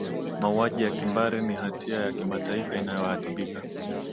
mauaji ya kimbari ni hatia ya kimataifa inayoadhibika